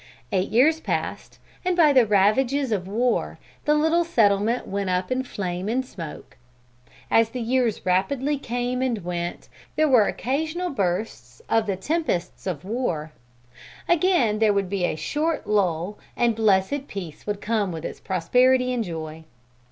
Eight years passed, and by the ravages of war the little settlement went up in flame and smoke. As the years rapidly came and went there were occasional bursts of the tempests of war; again there would be a short lull and blessed peace would come with its prosperity and joy.